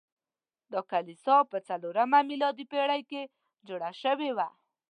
دا کلیسا په څلورمه میلادي پیړۍ کې جوړه شوې وه.